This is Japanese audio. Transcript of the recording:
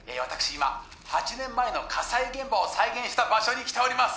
今８年前の火災現場を再現した場所に来ております